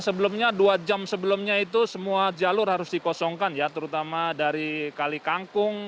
sebelumnya dua jam sebelumnya itu semua jalur harus dikosongkan ya terutama dari kali kangkung